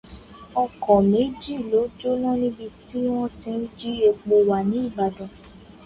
Ọkọ̀ méjì ló jóná níbi tí wọ́n ti ń jí epo wà ní Ìbàdàn.